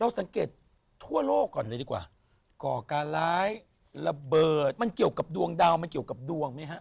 สังเกตทั่วโลกก่อนเลยดีกว่าก่อการร้ายระเบิดมันเกี่ยวกับดวงดาวมันเกี่ยวกับดวงไหมฮะ